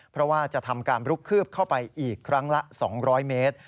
เพราะว่าจะทำการลุกคืบเข้าไปอีกครั้งละ๒๐๐เมตร